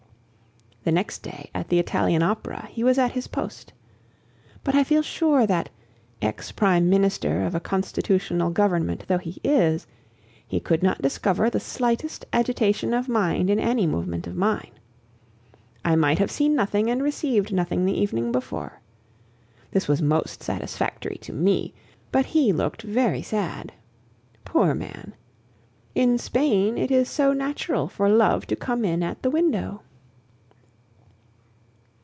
The next day, at the Italian opera, he was at his post. But I feel sure that, ex prime minister of a constitutional government though he is, he could not discover the slightest agitation of mind in any movement of mine. I might have seen nothing and received nothing the evening before. This was most satisfactory to me, but he looked very sad. Poor man! in Spain it is so natural for love to come in at the window!